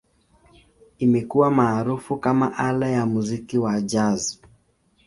Imekuwa maarufu kama ala ya muziki wa Jazz.